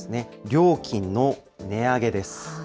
料金の値上げです。